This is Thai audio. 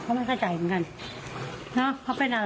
เขาไม่เข้าใจเหมือนกันนะเขาเป็นอะไร